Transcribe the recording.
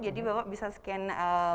jadi bapak bisa scan qr code